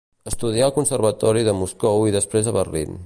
Estudià al Conservatori de Moscou i després a Berlín.